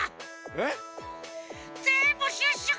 えっ！？